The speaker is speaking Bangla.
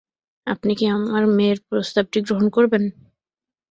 আপনি কি আমার মেয়ের প্রস্তাবটি গ্রহণ করবেন?